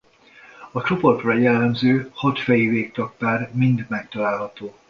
A csoportra jellemző hat feji végtag-pár mind megtalálható.